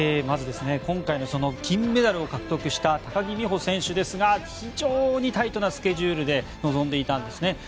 まず今回のその金メダルを獲得した高木美帆選手ですが非常にタイトなスケジュールで臨んでいたんですね。